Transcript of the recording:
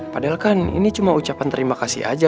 padahal kan ini cuma ucapan terima kasih aja